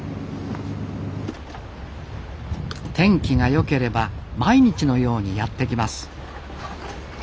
天気が良ければ毎日のようにやって来ます。